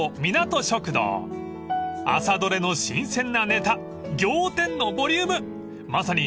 ［朝取れの新鮮なねた仰天のボリュームまさに